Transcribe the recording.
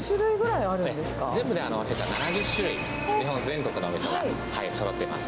全部で７０種類、日本全国のおみそ、そろってます。